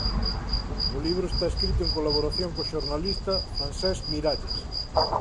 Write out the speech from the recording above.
O libro está escrito en colaboración co xornalista Francesc Miralles.